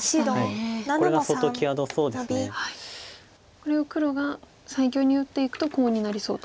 これを黒が最強に打っていくとコウになりそうと。